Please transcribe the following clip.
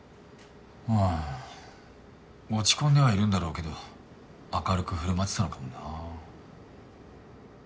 うん落ち込んではいるんだろうけど明るく振舞ってたのかもなぁ。